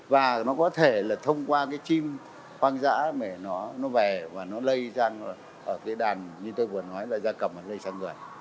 và nó có thể là thông qua cái chim hoang dã mà nó về và nó lây sang ở cái đàn như tôi vừa nói là da cầm nó lây sang người